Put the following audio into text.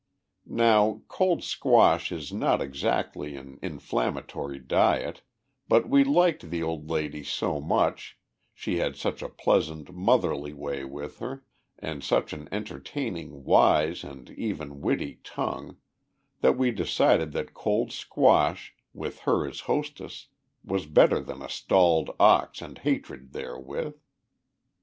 Now, cold squash is not exactly an inflammatory diet, but we liked the old lady so much, she had such a pleasant, motherly way with her, and such an entertaining, wise and even witty tongue, that we decided that cold squash, with her as hostess, was better than a stalled ox and hatred therewith.